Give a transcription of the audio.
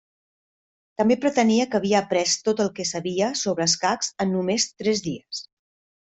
També pretenia que havia après tot el que sabia sobre escacs en només tres dies.